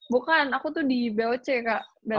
bukan aku tuh di boc kak